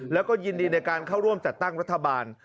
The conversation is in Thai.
แล้วก็ยินดีในการเข้าร่วมจัดตั้งรัฐบาล